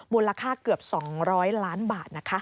มูลค่าเกือบ๒๐๐ล้านบาทนะคะ